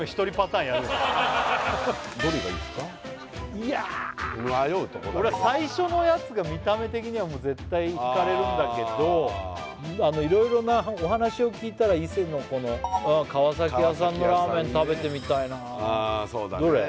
いやあ迷うとこだけど最初のやつが見た目的には絶対ひかれるんだけど色々なお話を聞いたら伊勢のこの河屋さんのラーメン食べてみたいなあどれ？